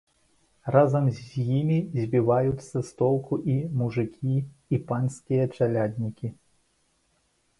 Разам з імі збіваюцца з толку і мужыкі, і панскія чаляднікі.